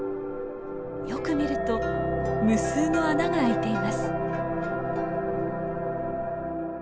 よく見ると無数の穴が開いています。